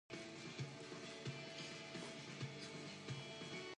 All instruments performed by Phil Collins.